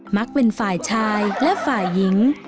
มักเป็นฝ่ายชายและฝ่ายหญิง